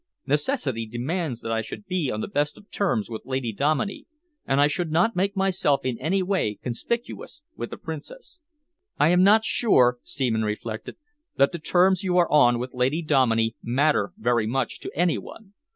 Necessity demands that I should be on the best of terms with Lady Dominey and I should not make myself in any way conspicuous with the Princess." "I am not sure," Seaman reflected, "that the terms you are on with Lady Dominey matter very much to any one.